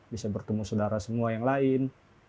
bisa bertemu saudara semua yang lain